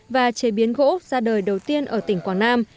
và chế biến gỗ ra đời đầu tiên ở tỉnh quảng nam